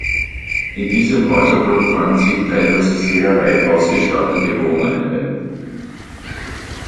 In diesem Häuserblock fanden sich teilweise sehr reich ausgestattete Wohneinheiten.